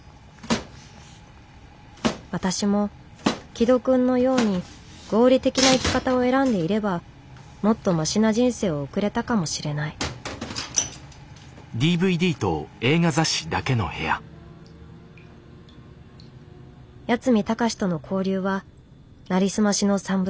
私も紀土くんのように合理的な生き方を選んでいればもっとマシな人生を送れたかもしれない八海崇との交流はなりすましの産物。